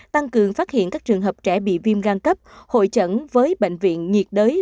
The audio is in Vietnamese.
tăng cường phát hiện các trường hợp trẻ bị viêm gan cấp hội chẩn với bệnh viện nhiệt đới